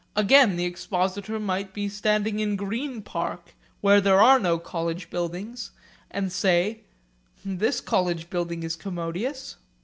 Again the expositor might be standing in Green Park where there are no college buildings and say, 'This college building is commodious.'